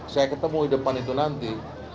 saya ketemu di depan itu nanti